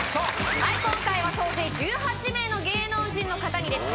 はい今回は総勢１８名の芸能人の方にですね